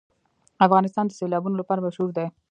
افغانستان د سیلابونه لپاره مشهور دی.